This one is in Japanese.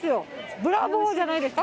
ブラボーじゃないですか？